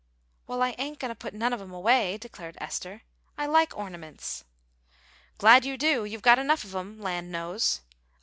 "Well, I ain't goin' to put none of 'em away," declared Esther. "I like ornaments." "Glad you do; you've got enough of 'em, land knows.